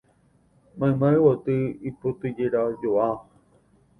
mayma yvoty ipotyjerajoa